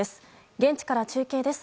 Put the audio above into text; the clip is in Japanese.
現地から中継です。